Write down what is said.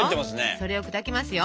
それを砕きますよ。